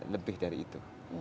lebih dari itu